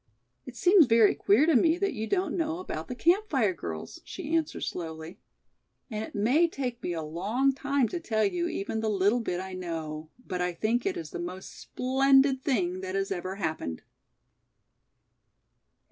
"It seems very queer to me that you don't know about the 'Camp Fire Girls'," she answered slowly, "and it may take me a long time to tell you even the little bit I know, but I think it the most splendid thing that has ever happened."